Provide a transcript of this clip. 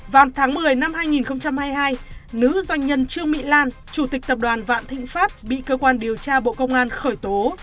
vào tháng một mươi năm hai nghìn hai mươi hai nữ doanh nhân trương mỹ lan chủ tịch tập đoàn vạn thịnh pháp bị cơ quan điều tra bộ công an khởi tố